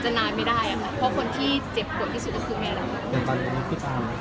ขนาดเรากลับไปดูตัวเองตอนนั้นเราก็รู้สึกว่า